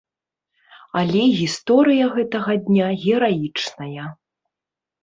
Але гісторыя гэтага дня гераічная.